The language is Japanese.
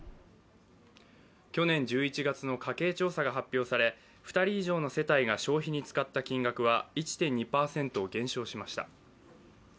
去年１１月の家計調査が発表され２人以上の世帯が消費に使った金額は１．２％減少しました。